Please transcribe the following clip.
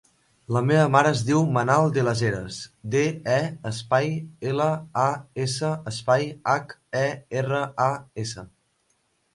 La meva mare es diu Manal De Las Heras: de, e, espai, ela, a, essa, espai, hac, e, erra, a, essa.